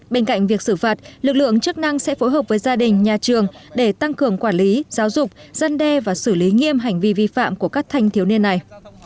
bên cạnh việc xử phạt lực lượng chức năng sẽ phối hợp với gia đình nhà trường để tăng cường quản lý giáo dục dân đe và xử lý nghiêm hành vi vi phạm của các thanh thiếu niên này